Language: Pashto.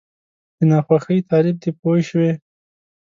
د ناخوښۍ تعریف دی پوه شوې!.